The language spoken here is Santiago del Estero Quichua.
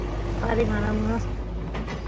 kari mana munanqa